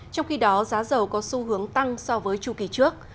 trong khi đó giá dầu có xu hướng tăng so với tru kỳ trước